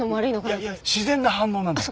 いやいや自然な反応なんだから。